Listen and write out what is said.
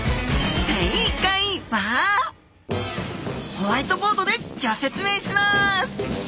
ホワイトボードでギョ説明します